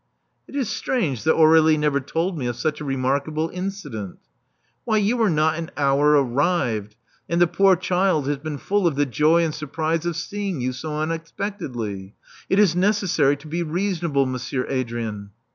It is strange that Aurdlie never told me of such a remarkable incident." Why, you are not an hour arrived; and the poor child has been full of the joy and surprise of seeing you so unexpectedly. It is necessary to be reason able. Monsieur Adrian."